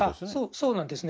そうなんですね。